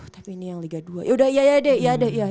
tapi ini yang liga dua ya udah iya deh iya deh